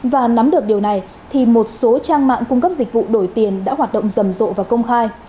và nắm được điều này thì một số trang mạng cung cấp dịch vụ đổi tiền đã hoạt động rầm rộ và công khai